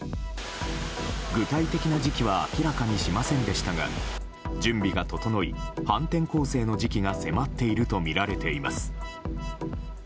具体的な時期は明らかにしませんでしたが準備が整い反転攻勢の時期が迫っているとみられます。